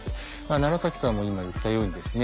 奈良さんも今言ったようにですね